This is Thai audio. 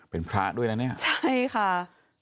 เป็นพระด้วยนะเนี่ยใช่ค่ะ